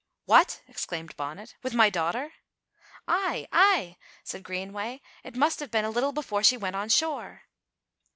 "What!" exclaimed Bonnet, "with my daughter?" "Ay, ay!" said Greenway, "it must have been a little before she went on shore."